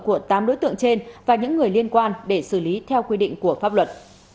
của tám đối tượng trên và những người liên quan để xử lý theo quy định của pháp luật